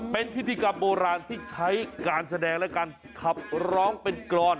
เป็นพิธีกรรมโบราณที่ใช้การแสดงและการขับร้องเป็นกรอน